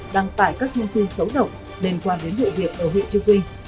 đăng tải các thông tin xấu động liên quan đến bộ việc ở huyện trương quyền